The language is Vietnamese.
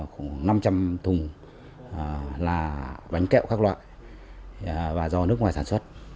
khoảng năm trăm linh thùng là bánh kẹo các loại và do nước ngoài sản xuất